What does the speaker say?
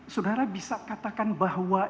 saudara bisa katakan bahwa